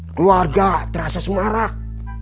keluarga terasa semarak